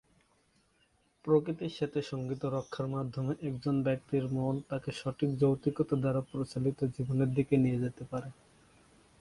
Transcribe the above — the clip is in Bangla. প্রকৃতির সাথে সঙ্গতি রক্ষার মাধ্যমে একজন ব্যক্তির মন তাকে সঠিক যৌক্তিকতা দ্বারা পরিচালিত জীবনের দিকে নিয়ে যেতে পারে।